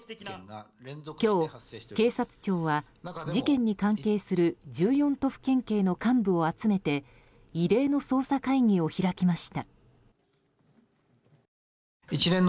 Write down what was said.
今日、警察庁は事件に関係する１４都府県警の幹部を集めて異例の捜査会議を開きました。